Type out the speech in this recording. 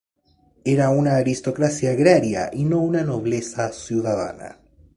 Era una aristocracia agraria y no una nobleza ciudadana.